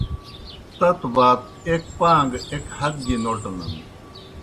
تتوْ بات ایْک پاں گہ ایْک ہت گیْ نوٹنَن۔